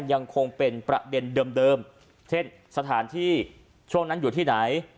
ยังคงเป็นประเด็นเดิมเช่นสถานที่ช่วงนั้นอยู่ที่ไหน